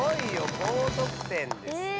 高得点ですよ。